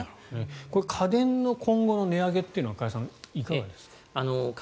これ家電の今後の値上げというのは加谷さんいかがですか。